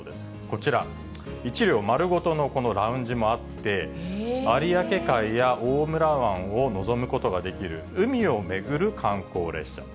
こちら、１両丸ごとのラウンジもあって、有明海や大村湾を望むことができる、海を巡る観光列車。